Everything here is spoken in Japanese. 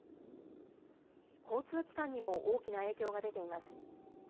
交通機関にも大きな影響が出ています。